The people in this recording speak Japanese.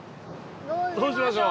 高橋：どうしましょう？